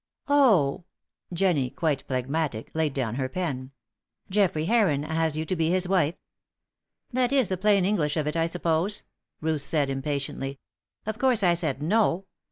"Oh!" Jennie, quite phlegmatic, laid down her pen. "Geoffrey Heron has you to be his wife?" "That is the plain English of it, I suppose," Ruth said, impatiently. "Of course I said 'No.'"